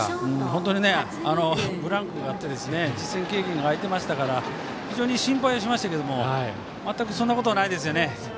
本当にブランクがあって実戦経験が空いてましたから非常に心配しましたけども全くそんなことはないですね。